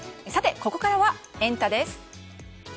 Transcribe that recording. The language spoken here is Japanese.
ここからはエンタ！です。